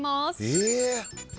え？